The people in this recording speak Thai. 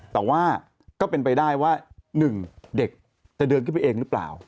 แต่ว่าก็เป็นไปได้ว่า๑เด็กจะเดินขึ้นไปเองหรือเปล่า